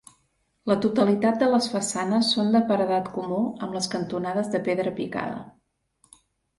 La totalitat de les façanes són de paredat comú amb les cantonades de pedra picada.